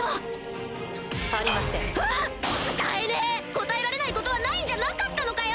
答えられないことはないんじゃなかったのかよ！